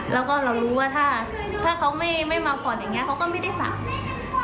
แล้วก็เรารู้ว่าถ้าเขาไม่มาผ่อนอย่างนี้เขาก็ไม่ได้สั่ง